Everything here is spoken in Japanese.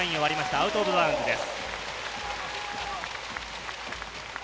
アウトオブバウンズです。